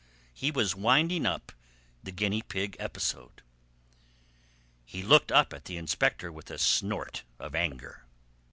He was winding up the guinea pig episode. He looked up at the inspector with a snort of anger.